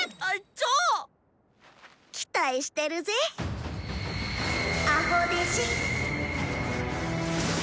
ちょっ⁉期待してるぜアホ弟子。